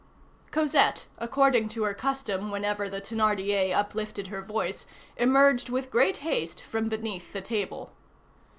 Cosette, according to her custom whenever the Thénardier uplifted her voice, emerged with great haste from beneath the table.